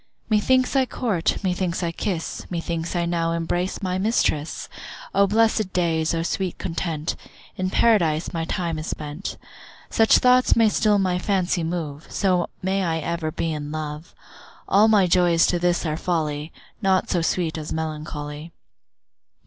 Methinks I court, methinks I kiss, Methinks I now embrace my mistress. O blessed days, O sweet content, In Paradise my time is spent. Such thoughts may still my fancy move, So may I ever be in love. All my joys to this are folly, Naught so sweet as melancholy.